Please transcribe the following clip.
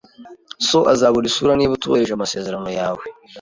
So azabura isura niba utubahirije amasezerano yawe